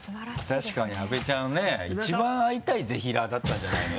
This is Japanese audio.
確かに阿部ちゃんね一番会いたいぜひらーだったんじゃないの？